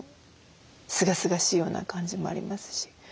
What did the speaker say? すがすがしいような感じもありますし。